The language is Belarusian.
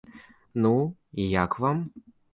Ну, і як вам?